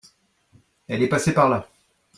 Elle est passée par là.